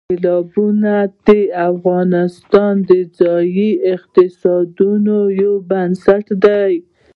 سیلابونه د افغانستان د ځایي اقتصادونو یو بنسټ دی.